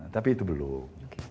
tapi itu belum